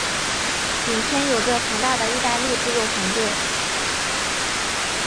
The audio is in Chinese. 影片有着庞大的意大利制作团队。